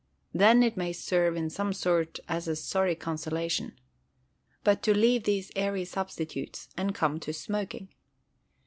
Then it may serve in some sort as a sorry consolation. But to leave these airy substitutes, and come to smoking.